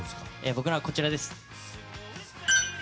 僕は、こちらです。